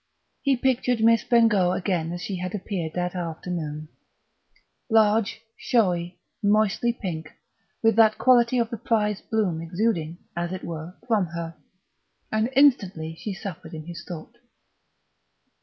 He pictured Miss Bengough again as she had appeared that afternoon large, showy, moistly pink, with that quality of the prize bloom exuding, as it were, from her; and instantly she suffered in his thought.